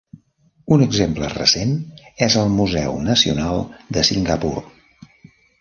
Un exemple recent és el Museu Nacional de Singapur.